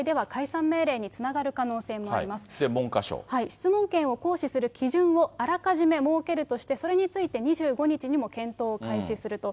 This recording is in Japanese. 質問権を行使する基準をあらかじめ設けるとして、それについて２５日にも検討を開始すると。